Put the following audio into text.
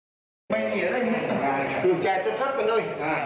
คนตายก็กลับไปติดเงินแค่เพราะว่าเด็ดตั้งเลย